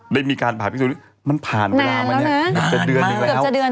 ได้มีการผ่านพิสูจน์มันผ่านไปแล้วนะเกือบจะเดือนนึงแล้ว